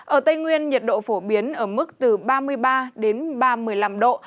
ở tây nguyên nhiệt độ phổ biến ở mức từ ba mươi ba đến ba mươi năm độ